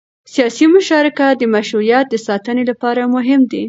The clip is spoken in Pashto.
سیاسي مشارکت د مشروعیت د ساتنې لپاره مهم دی